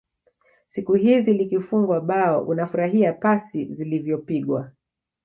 siku hizi likifungwa bao unafurahia pasi zilivyopigwa